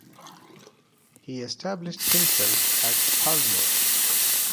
He established himself at Thalner.